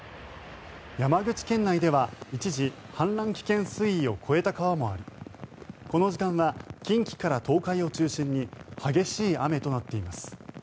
山口県内では、一時氾濫危険水位を超えた川もありこの時間は近畿から東海を中心に激しい雨となっています。